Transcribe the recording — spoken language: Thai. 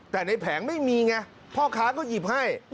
แต่ในแผงไม่มีไงพ่อค้าก็หยิบให้